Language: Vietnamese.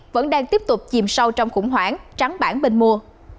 vẫn đang tiếp tục chìm sâu trong khủng hoảng trắng bản bên mua